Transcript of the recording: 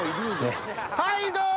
はい、どうも！